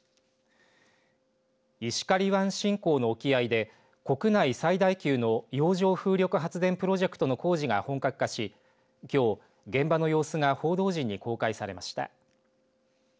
石狩湾新港の沖合で国内最大級の洋上風力発電プロジェクトの工事が本格化し、きょう現場の様子が報道陣に公開されました。